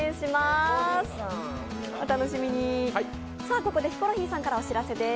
ここでヒコロヒーさんからお知らせです。